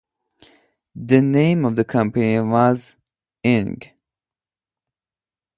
The name of the company was ""Ing.